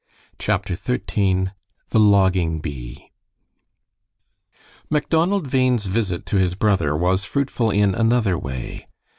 CHAPTER XIII THE LOGGING BEE Macdonald Bhain's visit to his brother was fruitful in another way.